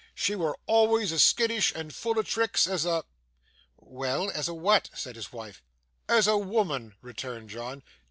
'She wur always as skittish and full o' tricks as a ' 'Well, as a what?' said his wife. 'As a woman,' returned John.